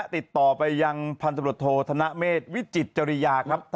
ติดต่อไปยังพันธบรวจโทษธนเมษวิจิตจริยาครับ